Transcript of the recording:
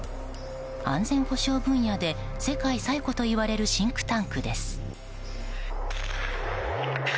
安全保障分野で世界最古といわれるシンクタンクです。